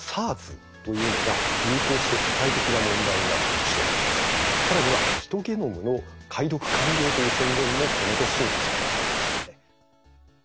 ２００３年というと例えばあとは更にはヒトゲノムの解読完了という宣言もこの年に確か出されましたね。